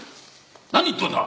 何言っとんだ！？